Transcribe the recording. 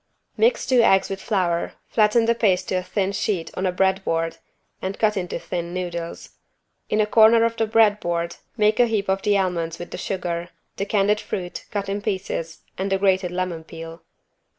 Mix two eggs with flour, flatten the paste to a thin sheet on a bread board and cut into thin noodles. In a corner of the bread board make a heap of the almonds with the sugar, the candied fruit cut in pieces and the grated lemon peel.